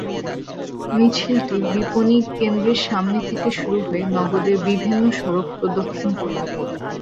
মিছিলটি বিপণি কেন্দ্রের সামনে থেকে শুরু হয়ে নগরের বিভিন্ন সড়ক প্রদক্ষিণ করে।